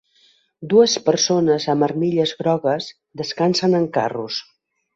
Dues persones amb armilles grogues descansen en carros.